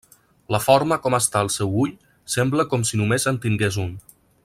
La forma com està el seu ull sembla com si només en tingués un.